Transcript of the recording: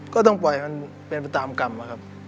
ก็ต้องปล่อยมันเป็นไปตามกรรมนะครับ